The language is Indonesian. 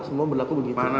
semua berlaku begitu